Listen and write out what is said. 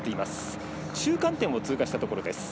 中間点を通過したところ。